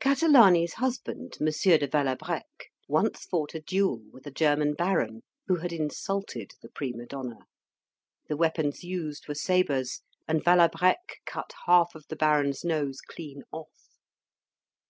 Catalani's husband, M. de Valabreque, once fought a duel with a German baron who had insulted the prima donna; the weapons used were sabres, and Valabreque cut half of the Baron's nose clean off.